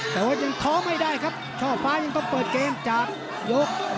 แต่ว่ายังท้อไม่ได้ครับช่อฟ้ายังต้องเปิดเกมจากยก